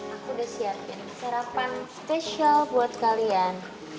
aku udah siapin sarapan spesial buat kalian